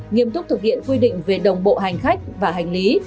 nghiêm túc thực hiện quy định về đồng bộ hành khách và hành lý